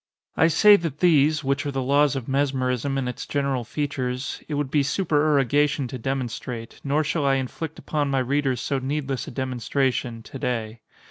I say that these—which are the laws of mesmerism in its general features—it would be supererogation to demonstrate; nor shall I inflict upon my readers so needless a demonstration; to day.